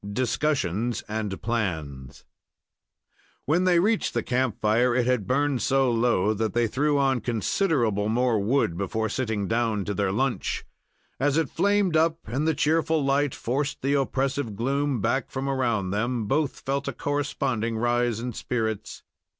DISCUSSIONS AND PLANS When they reached the camp fire, it had burned so low that they threw on considerable more wood before sitting down to their lunch. As it flamed up and the cheerful light forced the oppressive gloom back from around them, both felt a corresponding rise in spirits.